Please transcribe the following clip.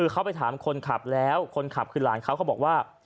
ครับครับก็บอกว่า